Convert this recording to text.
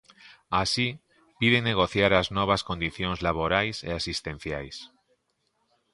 Así, piden negociar as novas condición laborais e asistenciais.